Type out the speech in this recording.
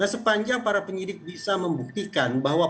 sepanjang para penyidik bisa membuktikan bahwa